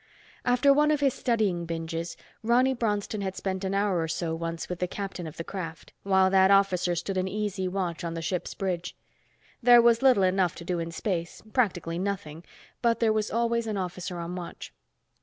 After one of his studying binges, Ronny Bronston had spent an hour or so once with the captain of the craft, while that officer stood an easy watch on the ship's bridge. There was little enough to do in space, practically nothing, but there was always an officer on watch.